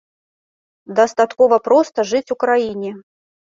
Дастаткова проста жыць у краіне.